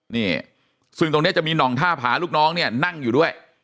นี่ซึ่งตรงนี้จะมีหน่องท่าผาลูกน้องเนี่ยนั่งอยู่ด้วย